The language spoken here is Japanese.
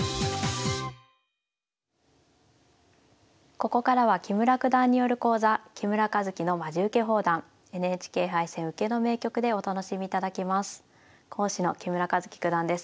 ここからは木村九段による講座「木村一基のまじウケ放談ＮＨＫ杯戦・受けの名局」でお楽しみいただきます。